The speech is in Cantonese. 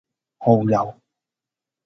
蠔油